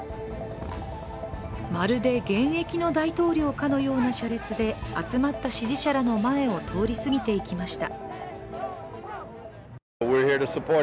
まるで現役の大統領かのような車列で集まった支持者らの前を通り過ぎていきました